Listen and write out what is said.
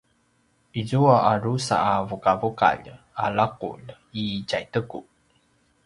izua a drusa a vuqavuqalj a laqulj i tjaiteku